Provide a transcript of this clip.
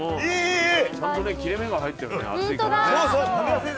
ちゃんとね切れ目が入ってるね厚いから。